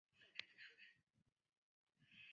这些地区由协约国和美国军队占领。